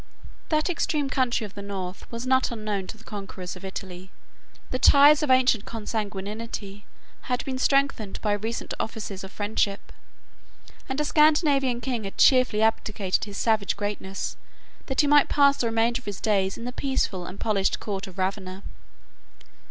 5 501 That extreme country of the North was not unknown to the conquerors of Italy: the ties of ancient consanguinity had been strengthened by recent offices of friendship; and a Scandinavian king had cheerfully abdicated his savage greatness, that he might pass the remainder of his days in the peaceful and polished court of Ravenna.